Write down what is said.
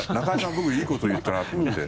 僕、いいこと言ったなと思って。